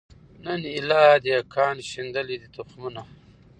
نن ایله دهقان شیندلي دي تخمونه